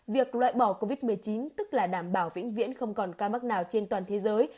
việc loại bỏ covid một mươi chín tức là đảm bảo vĩnh viễn không còn ca mắc nào trên toàn thế giới